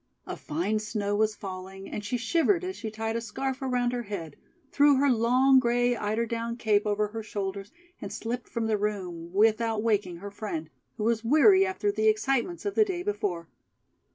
A fine snow was falling and she shivered as she tied a scarf around her head, threw her long gray eiderdown cape over her shoulders and slipped from the room, without waking her friend, who was weary after the excitements of the day before.